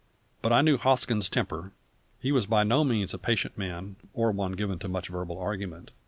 But I knew Hoskins's temper; he was by no means a patient man, or one given to much verbal argument.